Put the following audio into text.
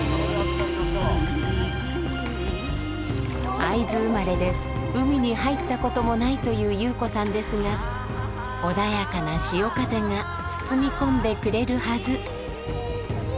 会津生まれで海に入ったこともないというゆう子さんですが穏やかな潮風が包み込んでくれるはず。